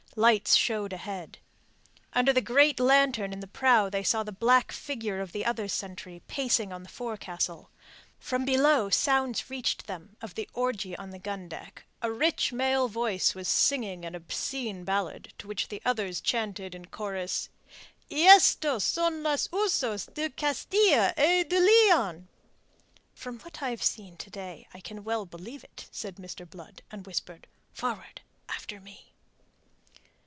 Lights showed ahead. Under the great lantern in the prow they saw the black figure of the other sentry, pacing on the forecastle. From below sounds reached them of the orgy on the gun deck: a rich male voice was singing an obscene ballad to which the others chanted in chorus: "Y estos son los usos de Castilla y de Leon!" "From what I've seen to day I can well believe it," said Mr. Blood, and whispered: "Forward after me."